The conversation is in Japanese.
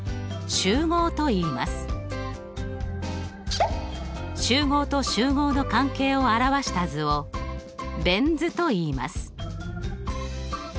集合と集合の関係を表した図をベン図といいます。